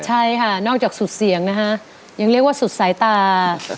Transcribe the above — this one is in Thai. ใช่ค่ะนอกจากสุดเสียงนะคะยังเรียกว่าสุดสายตา